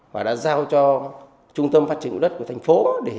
và đã giao cho trung tâm phát triển đất của thành phố